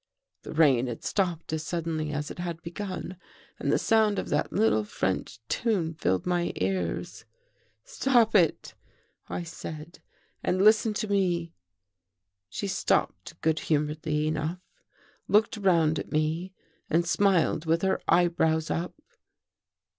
The rain had stopped as suddenly as it had begun and the sound of that little French tune filled my ears. "' Stop it,' I said, ' and listen to me.' " She stopped good humoredly enough, looked round at me and smiled with her eyebrows up.